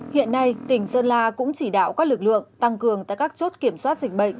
hiện nay tỉnh sơn la cũng chỉ đạo các lực lượng tăng cường tại các chốt kiểm soát dịch bệnh